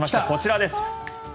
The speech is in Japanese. こちらです。